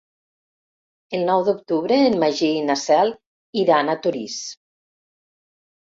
El nou d'octubre en Magí i na Cel iran a Torís.